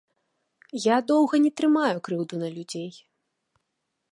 Я доўга не трымаю крыўду на людзей.